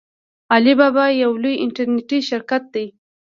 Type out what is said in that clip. علي بابا یو لوی انټرنیټي شرکت دی.